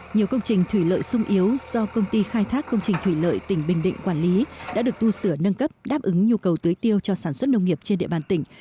nhiều công trình thủy lợi sung yếu do công ty khai thác công trình thủy lợi tỉnh bình định quản lý đã được tu sửa nâng cấp đáp ứng nhu cầu tưới tiêu cho sản xuất nông nghiệp trên địa bàn tỉnh